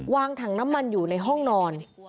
ถังน้ำมันอยู่ในห้องนอน